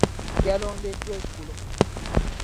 Yalondeddwa eggulo.